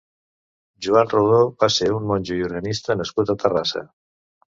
Joan Rodó va ser un monjo i organista nascut a Terrassa.